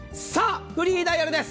フリーダイヤルです。